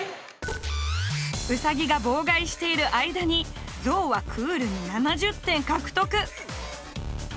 ウサギが妨害している間にゾウはクールに７０点獲得！